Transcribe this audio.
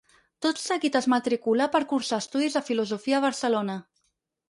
Tot seguit es matriculà per cursar estudis de filosofia a Barcelona.